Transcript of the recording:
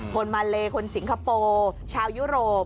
คนมาเลคนสิงคโปร์ชาวยุโรป